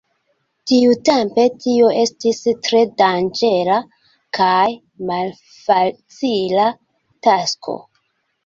Tiutempe tio estis tre danĝera kaj malfacila tasko.